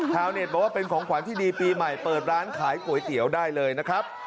เน็ตบอกว่าเป็นของขวัญที่ดีปีใหม่เปิดร้านขายก๋วยเตี๋ยวได้เลยนะครับ